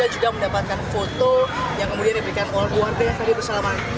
juga mendapatkan foto yang kemudian diberikan oleh keluarga yang tadi bersalaman